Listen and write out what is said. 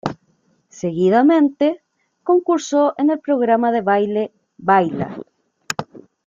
Seguidamente, concursó en el programa de baile "Baila!